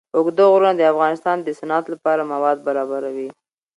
اوږده غرونه د افغانستان د صنعت لپاره مواد برابروي.